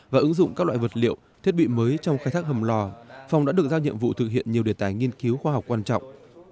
và ứng dụng các loại vật liệu thiết bị mới trong khai thác hầm lò phòng đã được giao nhiệm vụ thực hiện nhiều đề tài nghiên cứu khoa học quan trọng